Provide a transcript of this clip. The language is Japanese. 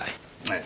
ええ。